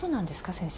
先生。